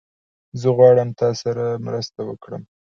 زه غواړم تاسره مرسته وکړم